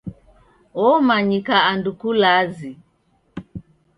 Womanyika andu kulazi.